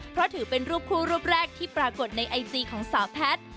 เพราะถือเป็นรูปคู่รูปแรกที่ปรากฏในไอจีของสาวแพทย์